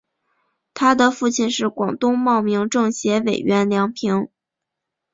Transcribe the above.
她的父亲是广东茂名政协委员梁平。